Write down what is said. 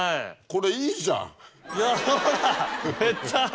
これいいじゃん！